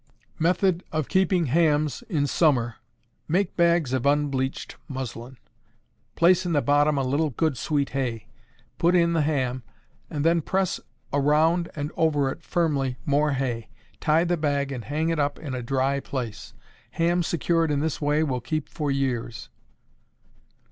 Method of Keeping Hams in Summer. Make bags of unbleached muslin; place in the bottom a little good sweet hay; put in the ham, and then press around and over it firmly more hay; tie the bag and hang up in a dry place. Ham secured in this way will keep for years.